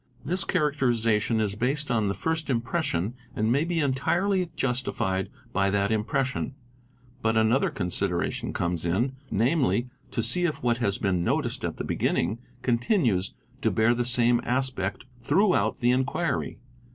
This characterization is based on the first impression and may be entirely justified by that impression ; but another consideration comes in, namely, to see if what has been noticed at the beginning continues to bear the same aspect throughout the inquiry.